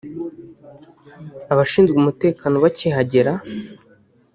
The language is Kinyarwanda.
Abashinzwe umutekano bakihagera